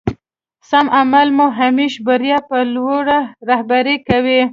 سم عمل مو همېش بريا په لوري رهبري کوي.